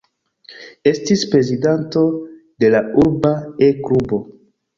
Estis prezidanto de la urba E-klubo.